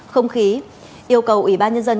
không khí yêu cầu ủy ban nhân dân